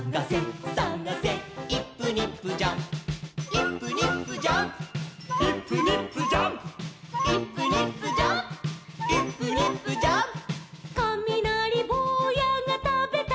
「どこだどこだイップニップジャンプ」「イップニップジャンプイップニップジャンプ」「イップニップジャンプイップニップジャンプ」